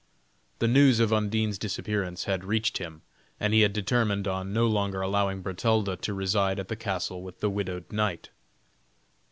The news of Undine's disappearance had reached him, and he had determined on no longer allowing Bertalda to reside at the castle with the widowed knight.